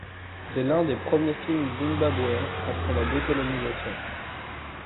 C'est l'un des premiers films zimbabwéens après la décolonisation.